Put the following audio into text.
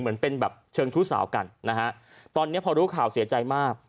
เหมือนเป็นแบบเชิงชู้สาวกันนะฮะตอนนี้พอรู้ข่าวเสียใจมาก